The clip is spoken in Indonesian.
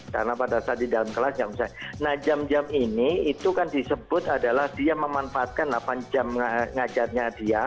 karena pada saat di dalam kelas jam jam ini itu kan disebut adalah dia memanfaatkan delapan jam ngajarnya dia